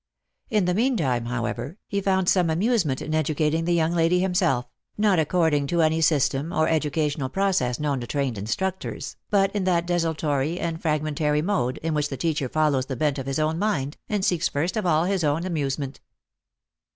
In the mean time, however, he found some amusement in educating the young lady himself, not according to any system or educational process known to trained instructors, but in that desultory and fragmentary mode in which the teacher follows the bent of his own mind, and seeks first of all his own amusement.